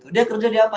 dia kerja di apa